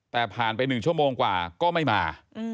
แต่ผ่านไป๑ชั่วโมงกว่าก็ไม่มา